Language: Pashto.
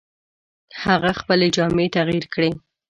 هغه خپلې جامې تغیر کړې.